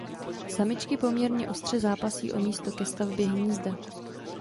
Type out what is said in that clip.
Samičky poměrně ostře zápasí o místo ke stavbě hnízda.